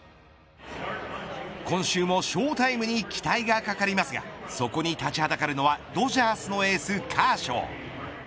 今週もショータイムに期待がかかりますがそこに立ちはだかるのはドジャースのエースカーショー。